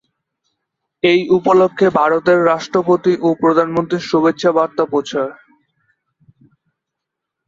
এই উপলক্ষে ভারতের রাষ্ট্রপতি ও প্রধানমন্ত্রীর শুভেচ্ছা বার্তা পৌঁছয়।